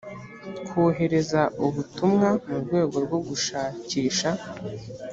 kohereza ubutumwa mu rwego rwo gushakisha